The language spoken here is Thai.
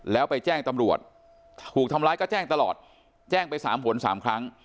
แล้วไปแจ้งตำรวจถูกทำร้ายก็แจ้งตลอดแจ้งไป๓หน๓ครั้ง